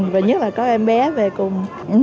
và nhất là có em bé về cùng